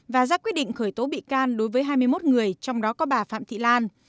và ra quyết định khởi tố bị can đối với hai mươi một người trong đó có bà phạm thị lan